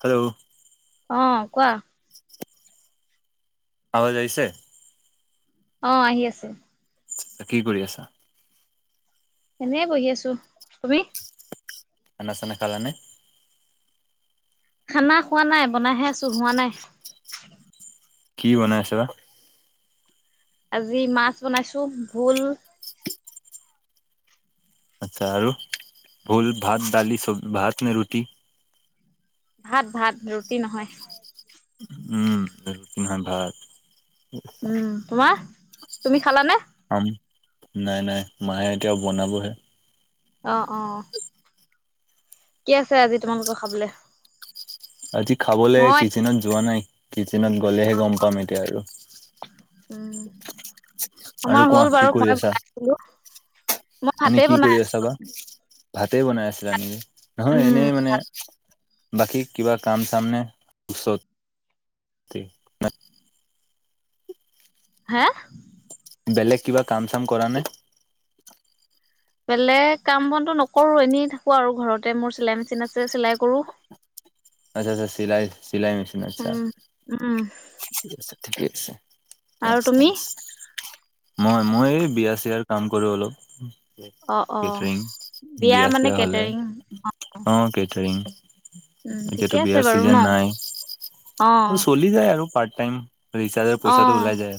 Hello অ কোৱা আৱজাইছে অ আহি আছে কি কৰি আছা এনে বহি আছো তুমি আনাচান খালানে খানা খোৱা নাই বনাইহে আছো হোৱা নাই কি বনাই আছে বাা আজি মাছ বনাইছো ভুল আচ্ছা আৰু ভল ভাত দালি চব ভাত নে ৰুটি ভাত ভাত ৰুটি নহয় উম ব পহ ভাগ উম তোমাৰ তুমি খালানে আম নাই নাই মাহে এতিয়াও বনাবহে আহ অ কি আছে আজি তোমালোকৰ খাবলৈ আজি খাবলৈ কিচেনত যোৱা নাই কিটচেনত গ'লেহে গম পাম এতিয়া আৰু উম আৰু আমাৰ কোৱা হ'ল কি বাৰু কৰি মই আছা বনাইছিলো মই এনে হাতে কি কৰি বনাই আছা আছো বা ভাতে বনাই আছিলা নেকি নহয় এনেই মানে ভাত বাকী কিবা কাম চামনে চ হা বেলেগ কিবা কাম চাম কৰা নে বেলেগ কাম বনটোো নকৰো এনেই থাকো আৰু ঘৰতে মোৰ চিলাই মেচিন আছে চিলাই কৰো আচ্ছা আচ্ছা চিলাই চিলাই মছন আচ্ছা উম উম ঠিক আছে ঠিকে আছে আৰু থেংকস তুমি? থেংকস মই মই বিয়া চিয়াৰ কাম কৰো অলপ। অ', অ', বিয়াৰ বিয়া মানে চিয়া হলে কেটাৰিং অ' কেটাৰিং। উম ঠিকে এতিয়াতো আছে বিয়াৰ বাৰু ন চিজন নাই অ আৰু চলি যায় আৰু। পাৰ্ট টাইম ৰিচাৰ্জৰ অ পইচাটো ওলাই যায়।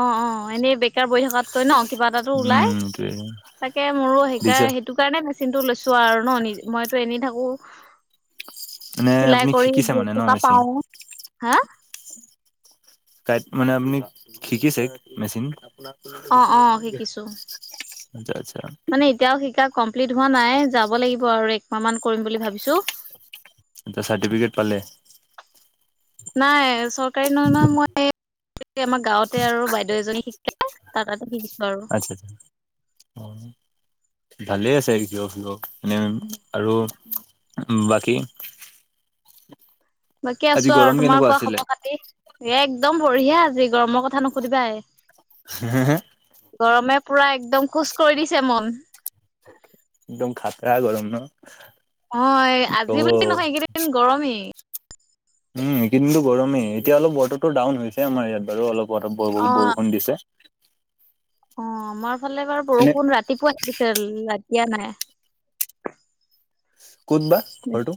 অ' অ' এনেই বেকাৰ বহি থকাতকৈ ন। কিবা এটাটো ওলাই উম এইটোৱে তাকে মোৰো সেই ৰিচাৰ্জ কাৰণে সেইটো কাৰণে মেচিনটো লৈছো। চোৱা আৰু ন মইতো এনেই থাকো। মানে আপুনি চিলাই কৰি শিকিছে মানে ন দুটকা মেচিন পাও হা কাইত মানে আপুনি শিকিছে মেচিন অ' অ' শিকিছো। আচ্ছা আচ্ছা মানে এতিয়াও শিকা কমপ্লিট হোৱা নাই যাব লাগিব আৰু একমাহ মান কৰিম বুলি ভাবিছো। এতিয়া চাৰ্টিফিকেট পালে? নাই চৰকাৰী ন নহয় মই। আমাৰ গাঁৱতে আৰু বাইদেউ এজনী শিকাই তাতে শিকিছো। আৰু আচ্ছা আচ্ছা ভালে আছে [unintelligible] আৰু বাকী? বাকী আজি আছো আৰু গৰম তোমাৰ কেনেকুৱা কোৱা আছিলে খবৰ খাতি? এ একদম বঢ়িয়া আজি গৰমৰ কথা নুসুধিবাই। হ', হ গৰমে পুৰা একদম খোজ কৰি দিছে মন। একদম খাতৰা গৰম ন? অ' কি আজি বুলি কব নহয় এইকেইদিন গৰমেই। উম কিন্তু গৰমেই এতিয়া অলপ বতৰটো ডাউন হৈছে আমাৰ ইয়াত বাৰু অলপ। অ' বৰষুণ দিছে। অ' আমাৰ ফালে বাৰু এনে বৰষুণ ৰাতিপুৱা লাগিছে ৰা এ নাই। ক'ত বা ঘৰটো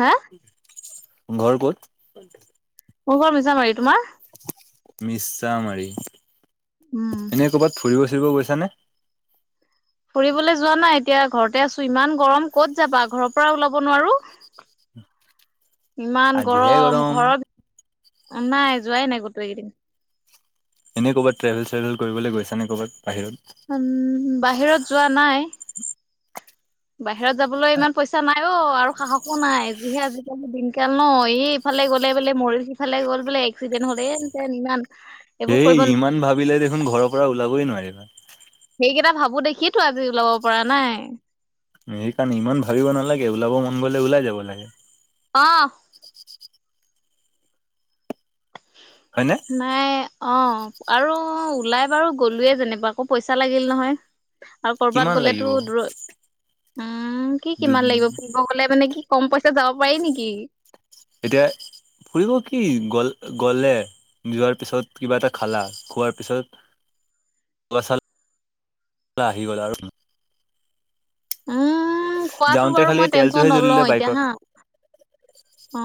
হা ঘৰ ক'ত? মোৰ ঘৰ মিছামাৰি তোমাৰ? মিছা মাৰি উম, এনে কৰ'বাত ফুৰিব চুৰিব গৈছানে? ফুৰিবলৈ যোৱা নাই এতিয়া ঘৰতে আছো ইমান গৰম কত যাবা ঘৰৰ পৰা ওলাব নোৱাৰো। ইমান গৰম ঘৰত অ' নাই যোৱাই নাই গোটেইকেইদিন। এনে ক'ৰবাত ট্ৰেভেল চ্ৰেভেল কৰিবলৈ গৈছা নে ক'ৰবাত বাহিৰত? উম বাহিৰত যোৱা নাই। বাহিৰত যাবলৈ ইমান পইচা নাই। অ [unintelligible] আৰু সাহসো নাই যিহে আজিকালি দিনকাল ন সি ইফালে গলে বোলে মৰি সিফালে গ'ল বোলে এক্সিডেণ্ট। ঘ এতেন ইমান এইবোৰ হেই কৰিব নোৱাৰি। ইমান ভাবিলে দেখোন ঘৰৰ পৰা ওলাবই নোৱাৰিবা। এইকেইটা ভাবো দেখিয়ো আজি ওলাব পৰা নাই। সেই কাৰণে ইমান ভাবিব নালাগে ওলাব মন গলে ওলাই যাব লাগে। অ'। হয়নে নাই। অ' আৰু ওলাই বাৰু গ'লোয়ে যেনেৱা আকৌ পইচা লাগিল নহয়। আৰু কৰবাত কিমান লাগিব গ'লেতো দূৰত উম কি কিমান লাগিব ফুৰিব গলে মানে কি কম পইচা যাব পাৰি নেকি? এতিয়া ফুৰিব কি গল গলে যোৱাৰ পিছত কিবা এটা খালা খোৱাৰ পিছত আহি গ'ল আৰু। উম খোৱাতো যাওঁতে বাৰু খালি মই তেলটোহে টেনচন জ্বলিলে নলওঁ এতিয়া বাইকত হা অ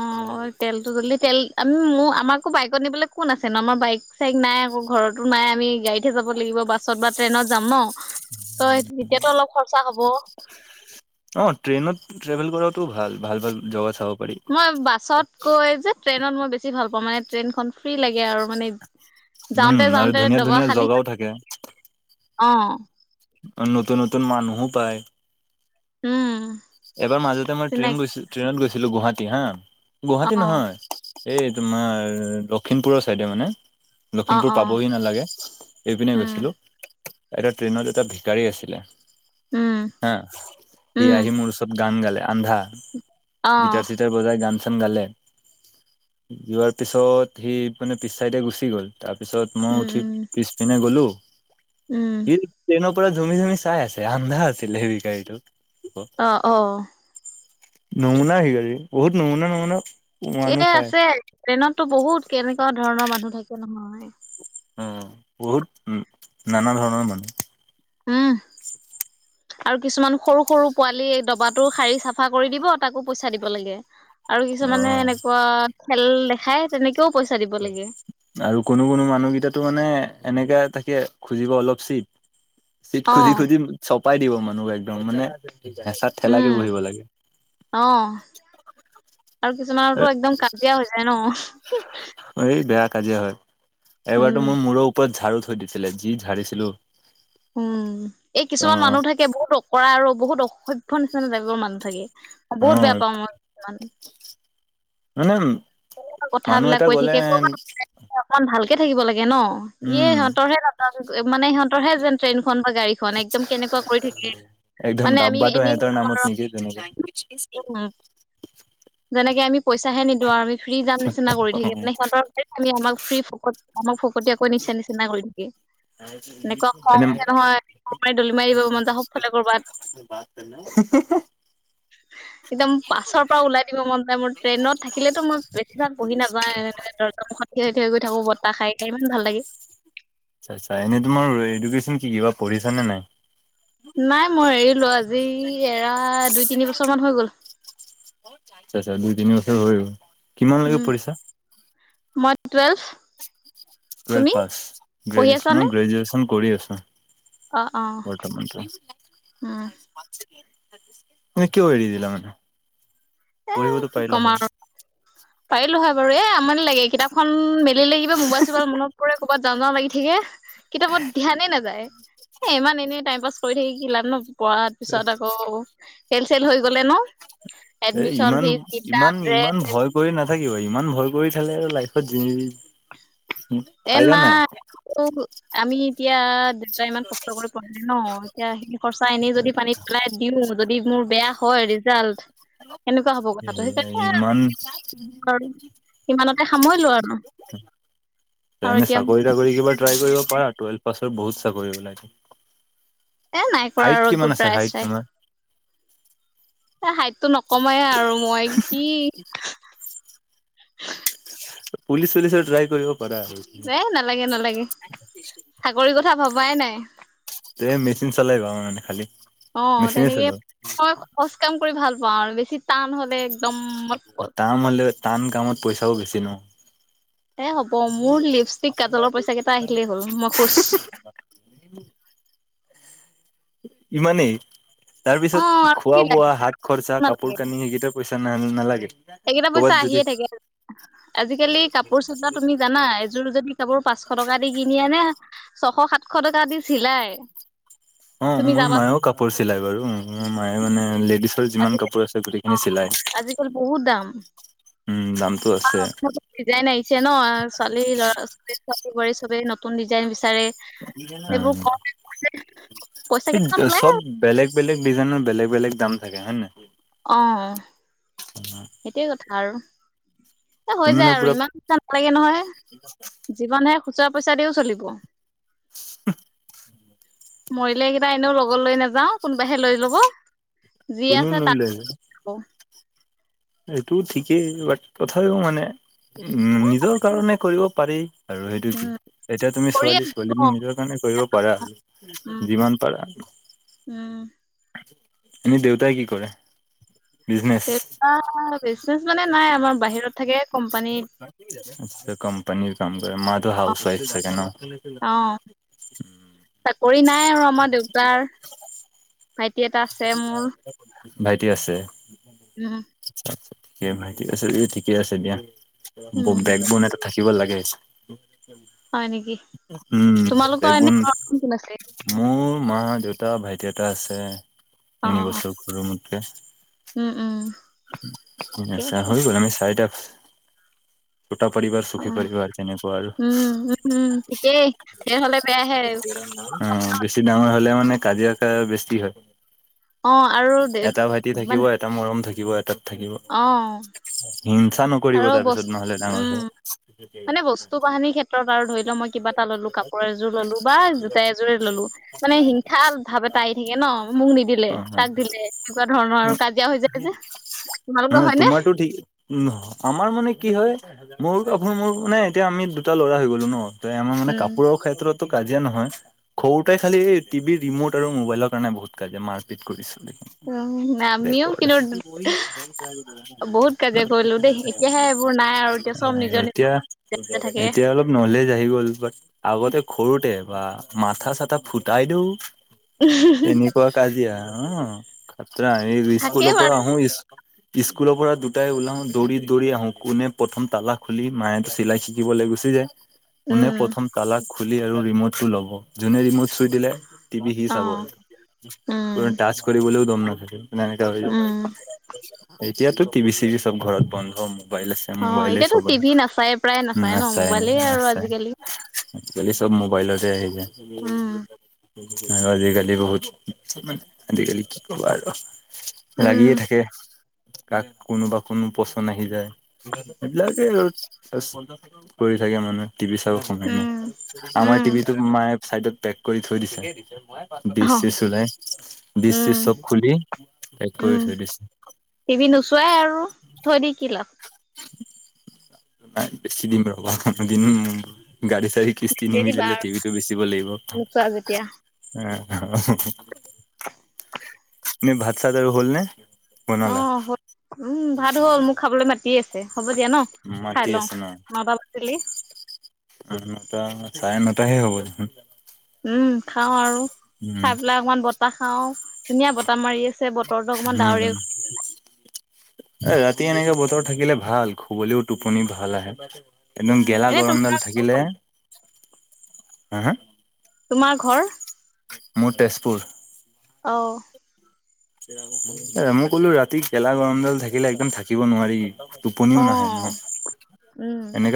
তেল তি তেল আমি মোৰ আমাৰ আৌ বাইকত নিবলৈ কোন আছে ন আমাৰ বাইক চাইক নাই আকৌ ঘৰতো নাই আমি গাড়ীতহে যাব লাগিব বাছত বা ট্ৰেইনত যাম ন ত যেতিয়াতো অলপ খৰচা হ'ব অ ট্ৰেইনত ট্ৰেভেল কৰাটো ভাল ভাল ভাল জগা চাব পাৰি মই বাছত কৈ যে ট্ৰেইনত মই বেছি ভাল পাওঁ মানে ট্ৰেইনখন ফ্ৰী লাগে আৰু মানে উম যাওঁতে আৰু যাওঁতে ধুনীয়া দবা ধুনীয়া খালি জগাও থাকে অ নতুন নতুন মানুহো পায় উম এবাৰ মাজতে মই ট্ৰেইন চিনাকি গৈছো ট্ৰেইনত গৈছিলোঁ গুৱাহাটী হা গুৱাহাটী অ' নহয় এই তোমাৰ লখিমপুৰৰ চাইডে মানে অ' লখিমপুৰ অ' পাবহি নালাগে এইপিনে উম গৈছিলো এটা ট্ৰেইনত এটা ভিকাৰী আছিলে উম হা সি উম আহি মোৰ ওচৰত গে আন্ধা গ অ' চ ব গ গালে যোৱাৰ পিছত সি মানে পিছ চাইড গুচি গ'ল তাৰপিছত মই উম উঠি উম পিছপিনে গ'লো উম সি ট্ৰেইনত পুৰা জুমি জুমি চাই আছে আন্ধা আছিল হেবি গাড়ী তত অ অ নমুনা হ যি বহুত নমুনা নমুনা এ মানুহ পায়। আছে ট্ৰেইনতো বহুত কেনেকুৱা ধৰণৰ মানুহ থাকে নহয় উ বহুত উ নানা ধৰণৰ মানুহ আহম [inaudible] আৰু কিছুমান সৰু সৰু পোৱালি এই দবাটো শাৰী চাফা কৰি দিব তাকো পইচা দিব লাগে আৰু কিছুমানে অ', এনেকুৱা খেল দেখাই তেনেকেও পইচা দিব লাগে। আৰু কোনো কোনো মানুহ কেইটাতো মানে এনেকে তাকে খুজিব অলপ চিট চিট অ খুজি খুজি চব পাই দিব মানুহ একদম মানে হেঁচাত ঠেলাকে উম বহিব লাগে অ আৰু কিছুমানতো একদম কাজিয়া হৈ যায় ন এই বেয়া কাজীয়া হয় এবাৰতটো উম মোৰ মূৰৰ ওপৰত ঝাৰু থৈ দিছিলে যি ঝাৰিছিলো উম এই কিছুমান অ', মানুহ থাকে বহুত অকৰা আৰু বহুত অসভ্য নিচিনা তাইপৰ মানুহ থাকে অ বহুত বেয়া পাওঁ মই উম কথ বিলাক কৈ থাকে কৰবাত অকমান ভাল থাকিব লাগে ন ই উম, সিহঁতৰে ন মানে সিহঁতৰহে যেন্ৰেইন খ বা গাড়ীখন একদম কেনেকুৱা কৰি থাকে একদম মানে আমি ডাব্বাটো এনেই সিহঁতৰ যাম নামত আৰু নেকি তেনেকে অ [inaudible] যেনেকে আমি পইচাহে নিদিওঁ আৰু আমি ফ্ৰী যাম নিচিনা কৰি থাকি মানে সিহঁতৰ আমি আমাক ফ্ৰী ফ আমাক ফকতীয়াকৈ নিচা নিচিনা কৰিল থাকি এনেকুৱা এনে খংহে নহয় খ ম দলি মাৰি দিব মন যায় সবফালে কৰ'ৰবাত বাত কৰ ন [inaudible] একদম পাছৰ পৰা ওলাই দিব মন যায় মোৰ ট্ৰেইনত থিলে মই বেছিভাগ বহি নাযাওঁ দৰ্জ মুুখত থিয় থ হৈ গৈ থাকো ব্ত খাই ইমান ভাল লাগে আচ্ছা আচ্ছা এনেই তোমাৰ এডুকেশচন কি কি বাা পঢ়িছা নে নাই নাই মই এৰিলো আজি এৰা দুই তিনি বছৰ মান হৈ গল আচ [inaudible] আচ্ছা তিনি কিমানলৈকে উম পৰিছা মই টুৱেলভ টোৱেলভ তুমি পাছ, পঢ়ি গ্ৰেজো আছানে মই গ্ৰেজুৱেচন কৰি আছোঁ অ অ বৰ্তমানটো উম মানে কিয় এৰি দিলা মানে এ পঢ়িবতো কি পাৰিলা ক'ম হয়। আৰু পাৰিলো হয় বাৰু এ আমনি লাগে কিতাপখন মেলিলে কিবা মোবাইল চোবাইল মনত পৰে ক'ৰবাত যাওঁ যাওঁ লাগি থাকে কিতাপত ধ্যানে নাযায় এ ইমান এনে টাইম পাছ কৰি থাকি কি লাভ নহ পোৱাৰ পিছত আকৌ ফেল চেল হৈ গলে ন এ এডমিশন ইমান ফিজ কিতাপ ইমান ইমান ড্ৰেছ ভয় কৰি নাথাকে ইমান ভয় কৰি থাকিলে আৰু লাইফত ফাইদা নাই। অ' আমি এতিয়া দেউতাই ইমান কষ্ট কৰি পঢ়াই ন এতিয়া সেই খৰচা এনেই যদি পানীত পেলাই দিও যদি মোৰ বেয়া হয় ৰিজাল্ট কেনেকুৱা হব কথাটো ইমান সেইকাৰণে ইমানতে সামৰিলো আৰু [inaudible] আৰু এনে এতিয়া চাকৰি তাকৰি কিবা ট্ৰাই কৰিব পাৰা টুৱেলভ পাছত বহুত চাকৰি লাগে এ নাই কৰা আৰু একো ট্ৰায় চাই এ হাইটো নকমাই আৰু মই কি পুলিচ চুলিচ ত্ৰায় কৰিব পাৰা আৰু এ নালাগে নালাগে চাকৰি কথা ভবাই নাই তে মেচিন চলাই পাওঁ মানে খালি অ', মেচিনে তেনেকে চলোৱা মই খহজ কাম কৰি ভাল পাওঁ আৰু বেছি টান হলে [unintelligible] টান হলে টান কামত পইচাও বেছি ন [inaudible] [inaudible] এ হ'ব মোৰ লিপষ্টিক কাজলৰ পইচা কেইটা আহিলেই হ'ল মই খুচ ইমানেই তাৰ অ পিছত আৰু কি খোৱা বোৱা লাগে হাত খৰচা কাপোৰ কানি সেইকেইটা পইচা নালাগে সেইকেইটা ক'ৰবাত পইচা যদি আহিয়ে থাকে আজিকালি কাপোৰ চা তুমি জানা এযোৰ যদি কাপোৰ পাঁচশ টকা দি কিনি আনে ছশ সাত সাতশ টকা দি ছিলাই অ', মোৰ মায়েও কাপোৰ চিলাই বাৰু মোৰ মায়ে মানে লেডিছ যিমান আজিকালি কাপোৰ আছে অ গোটেইখিনি চিলায়। আজিকালি অ', ডিজাইন আহিছে ন ছোৱালী লৰা ছোৱালী বোৱাৰী চবেই নতুন ডিজাইন বিচাৰে অ' সেইবোৰ ক পইচা এই কেইটামান ওলাই চব বেলেগ বেলেগ ডিজাইনৰ বেলেগ বেলেগ দাম থাকে হয়ে নহয় অ' একেই কথা আৰু এ হৈ যায় মানে আৰু পুৰা ইমান ইচ্ছা নালাগে নহয় জীৱনহে খুচোৰা পইচা দিও চলিব [inaudible] মৰিলে কেইটা এনেও লগত লৈ নাযাওঁ কোনবাহে লৈ ল'ব যি কোনো আছে নলে তাৰ এইটো ঠিকেই বাট তথাপিও মানে উম নিজৰ কাৰণে কৰিব পাৰি আৰু সেইটো কি উম এতিয়া তুমি কৰিয়ে ছোৱালী ছোৱালী ন। নিজৰ কাৰণে কৰিব পাৰা আৰু উম যিমান পাৰা উম এনেই দেউতাই কি কৰে বিজনেচ দেউতা বিজনেজ মানে নাই আমাৰ বাহিৰত থাকে কোম্পানীত কোম্পানী কাম কৰে মাটো অ হাউচবাইফ চাগে ন [inaudible] অ চাকৰি নাই আৰু আমাৰ দেউতাৰ। ভাইটি এটা আছে মোৰ। ভাইটি আছে? উম। তাকে ভাই ঠিক আছে দিয়া। উম বেগবন এটা থাকিব লাগে। হয় নেকি উম, তোমালোকৰ এনে বেগবন। ঘৰত কোন আছে? মোৰ মা, দেউতা, ভাইটি এটা আছে অ তিনি বছৰ সৰু মুতকে। উম উম ঠিকে আ, আছে হৈ গ'ল আমি চাৰিটা ছুটা পৰিবাৰ অ ছোখী পৰিবাৰ কেনেকুৱা আৰু। উম উম উম ঠিকেই ধেৰ হলে বেয়াহে অ' বেছি ডাঙৰ হ'লে মানে কাজিয়া আকা বেছি হয়। অ আৰু এটা ভাইটি থাকিব মানে এটা মৰম থাকিব, এটাত থাকিব। অ নকৰিব আৰু বছ তাৰপিছত নহ'লে ডাঙৰ হৈ। উম, মানে বস্তু বাহিনিৰ ক্ষেত্ৰত আৰু ধৰি যে মই কিবা এটা ললো কাপোৰৰ এযোৰ ললো বা জোতা এযোৰে ললো মানে হিংসা ভাৱ এটা আহি থাকে না। অ' মোক নিদিলে অ', তাক দিলে এনেকুৱা ধৰণৰ আৰু কাজিয়া হৈ যায় যে। তোমালোকৰ নই হয়নে? তোমাৰটো ঠিক, নহয় আমাৰ মানে কি হয় মোৰ আপোনাৰ মোৰ মানে এতিয়া আমি দুটা ল'ৰা হৈ গলো ন'। ত' আমাৰ মানে উম কাপোৰৰ ক্ষেত্ৰত কাজিয় নহয়, সৰুতে খালি এই টিভি ৰিমট আৰু মোবাইলৰ কাৰণে বহুত কাজিয়া মাৰপিট কৰিছোঁ। উম, আমিও কিন্তু বহুত কাজিয়া কৰিলোঁ দেই এতিয়াহে এইবোৰ নাই আৰু এতিয়া চব নিজৰ এতিয়া নিজৰ থাকে এতিয়া অলপ নলেজ আহিল। গল, আগতে সৰুতে বা মাথা চাথা ফুটাই দিও। তেনেকুৱা কাজিয়া অ' থাকেই স্কুলৰ পৰা বাৰু আহো স্কুলৰ পৰা দুটাই ওলাও দৌৰি দৌৰি আহো কোনে প্ৰথম তালা খুলি মায়টো চিলাই চিকি বলে গুচি যায়। কোনে উম প্ৰথম তালা খুলি আৰু ৰিমোটটো লব। যোনে ৰিমোট চুই দিলে টিভি সি অ চাব আৰু উম কোনো টাচ কৰিবলৈও দম নাথাকে। মানে এনেকা হৈ যায়। উম এতিয়াতো টিভি চিভি চব ঘৰত বন্ধ মোৰ। মবাইল আছে, অ মোবাইলে এতিয়াতো চবা, টিভি নাচায় প্ৰায় নাচায় ন নাচাই মোবাইলেই আৰু নাচাই। আজিকালি আজিকালি চব মোবাইলতে আহি যায়। উম আৰু আজিকালি বহুত, আজিকালি কি কবা আৰু। উম লাগিয়ে থাকে। কাক কোনোবা কোনো পচন্দ আহি যায়, সেইবিলাকে আৰু। কৰি থাকে মানে টিভিচ কৰোঁ সময় নাই। উম আমাৰ উম টিভিটো মায়ে চাইডত পেক কৰি থৈ দিছে। অ ডিছ চিছ ওলাই ডিছ উম চিছ চব খুলি পেক কৰি উম থৈ দিছে। টিভি নোচোৱাই আৰু থৈ দি কি লাভ? [inaudible] নাই বেছি দিম ৰবা। এদিন গাড়ী চাড়ী কিস্তি বিচাৰি দিবা নিমিলিলে আৰু টিভিটো বেচিব লাগিব। উ, নোচোৱা যেতিয়া এনে ভাত চাত আৰু হ'ল নে? বনালা অ' উম, ভাত হ'ল, মোক খাবলৈ মাতি আছে। হ'ব দিয়া ন' খাই মাতি লওঁ। আছে ন ন'টা বাজিলি। নটা চাৰে নটাহে হ'ব দেখোন। উম, খাওঁ আৰু, উম খাই পেলাই অকমান বতাহ খাও। ধুনীয়া বতাহ মাৰি আছে। চে বতৰটো অকমান উম, হম, ডাৱৰে এ ৰাতি এনেকে বতৰ থাকিলে ভাল, খুবলৈ টোপনি ভাল আহে। একদম উম গেলা এনে গৰমডাল তোমাৰ ঘৰ থাকিলে, ক'ত হু হু? তোমাৰ ঘৰ? মোৰ তেজপুৰ। অ'। মই ক'লো ৰাতি গেলা গৰমজাল থাকি থাকিলে একদম থাকিব নোৱাৰি টোপনিও অ নাহে নহ উম এনো